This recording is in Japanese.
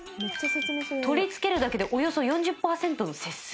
「取り付けるだけでおよそ４０パーセントの節水」？